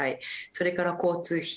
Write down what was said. それから交通費